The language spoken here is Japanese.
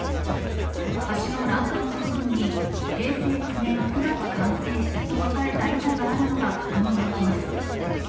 橋の欄干の部分に、平成９年９月完成と書かれた板があるのが確認できます。